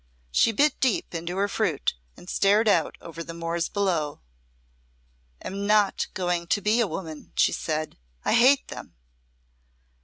She bit deep into her fruit and stared out over the moors below. "Am not going to be a woman," she said. "I hate them."